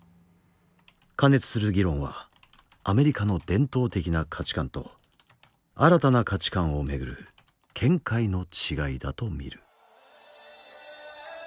過熱する議論はアメリカの伝統的な価値観と新たな価値観を巡る見解の違いだと見る。